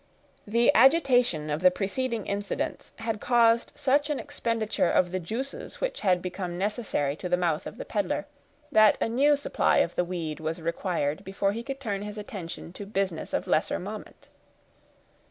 The agitation of the preceding incidents had caused such an expenditure of the juices which had become necessary to the mouth of the peddler, that a new supply of the weed was required before he could turn his attention to business of lesser moment.